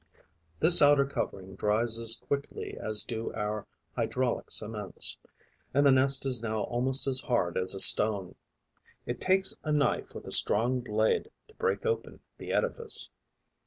This outer covering dries as quickly as do our hydraulic cements; and the nest is now almost as hard as a stone. It takes a knife with a strong blade to break open the edifice.